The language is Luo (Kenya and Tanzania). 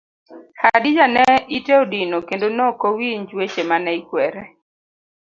Hadija ne ite odino kendo nokowinj weche mane ikwere.